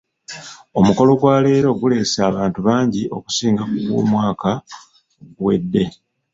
Omukolo gwa leero guleese abantu bangi okusinga ku gw'omwaka oguwedde.